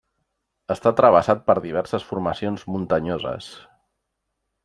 Està travessat per diverses formacions muntanyoses.